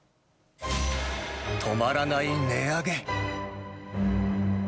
止まらない値上げ。